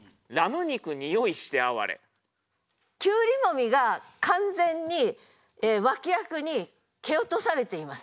「胡瓜もみ」が完全に脇役に蹴落とされています。